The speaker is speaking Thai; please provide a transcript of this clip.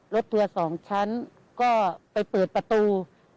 ทัวร์๒ชั้นก็ไปเปิดประตู